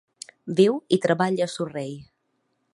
Viu i treballa a Surrey.